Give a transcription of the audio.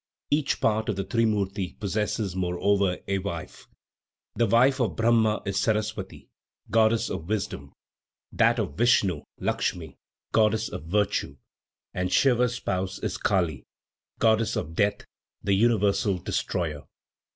Each part of the trimurti possesses, moreover, a wife. The wife of Brahma is Sarasvati, goddess of wisdom; that of Vishnu, Lakshmi, goddess of virtue, and Siva's spouse is Kali, goddess of death, the universal destroyer.